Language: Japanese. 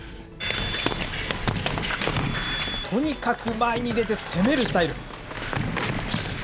とにかく前に出て攻めるスタイル。